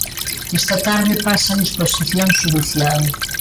Esta tarde pasa a disposición xudicial.